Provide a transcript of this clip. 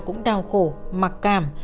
cũng đau khổ mặc cảm